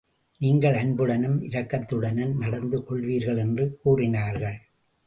நீங்கள் அன்புடனும் இரக்கத்துடனும் நடந்து கொள்வீர்கள் என்று கூறினார்கள்.